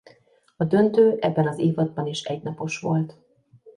A döntő ebben az évadban is egynapos volt.